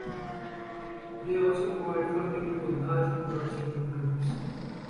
They also provide funding to a large number of student groups.